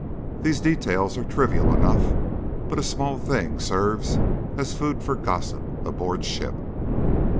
These details are trivial enough, but a small thing serves as food for gossip aboard ship.